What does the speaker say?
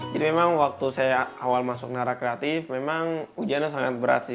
jadi memang waktu saya awal masuk narak kreatif memang ujiannya sangat berat sih